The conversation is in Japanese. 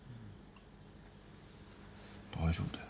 大丈夫だよ。